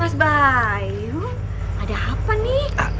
mas bayu ada apa nih